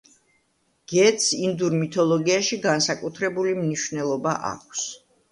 გედს ინდურ მითოლოგიაში განსაკუთრებული მნიშვნელობა აქვს.